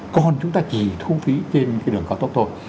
còn chúng ta chỉ thu phí trên cái đường cao tốc thôi